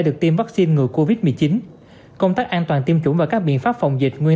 được tiêm vaccine ngừa covid một mươi chín công tác an toàn tiêm chủng và các biện pháp phòng dịch nguyên